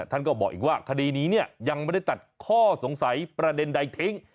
ท่านก็บอกอีกว่าคดีนี้เนี่ยยังไม่ได้ตัดข้อสงสัยประเด็นใดทิ้ง